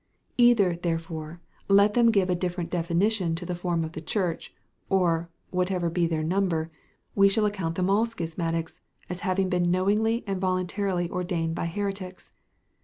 Either, therefore, let them give a different definition of the form of the Church, or, whatever be their number, we shall account them all schismatics, as having been knowingly and voluntarily ordained by heretics.